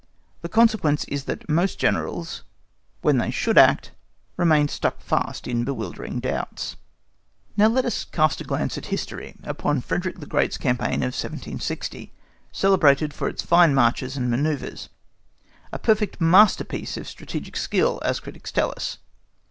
The consequence is that most Generals, when they should act, remain stuck fast in bewildering doubts. Now let us cast a glance at history—upon Frederick the Great's campaign of 1760, celebrated for its fine marches and manœuvres: a perfect masterpiece of Strategic skill as critics tell us.